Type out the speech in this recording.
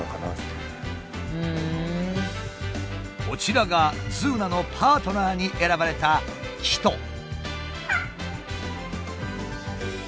こちらがズーナのパートナーに選ばれたキト。